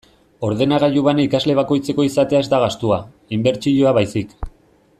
Ordenagailu bana ikasle bakoitzeko izatea ez da gastua, inbertsioa baizik.